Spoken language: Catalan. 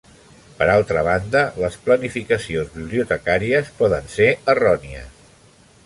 Per altra banda, les planificacions bibliotecàries poden ser errònies.